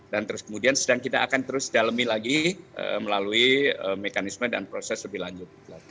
dan terus kemudian sedang kita akan terus dalemi lagi melalui mekanisme dan proses lebih lanjut